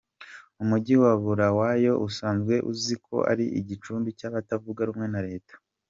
Umujyi wa Bulawayo usanzwe uzwiko ko ari igicumbi cy’abatavugarumwe na leta.